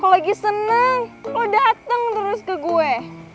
lo dateng terus ke gue